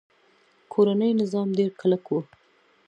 کورنۍ نظام ډیر کلک و